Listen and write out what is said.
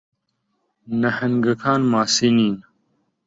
نەھەنگەکان ماسی نین.